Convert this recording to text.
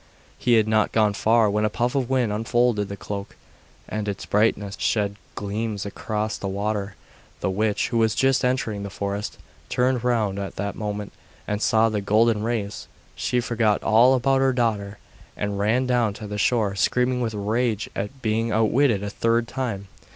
He had not gone far when a puff of wind unfolded the cloak, and its brightness shed gleams across the water. The witch, who was just entering the forest, turned round at that moment and saw the golden rays. She forgot all about her daughter, and ran down to the shore, screaming with rage at being outwitted a third time.